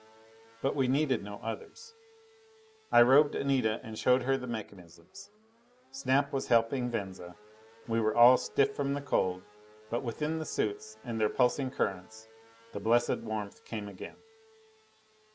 But we needed no others. I robed Anita and showed her the mechanisms. Snap was helping Venza. We were all stiff from the cold; but within the suits and their pulsing currents, the blessed warmth came again.